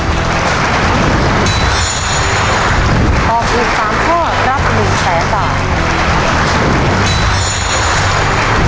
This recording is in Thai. ถ้าตอบถูกสามข้อรับหนึ่งแสนบาท